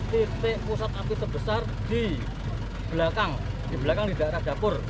titik pusat api terbesar di belakang di belakang di daerah dapur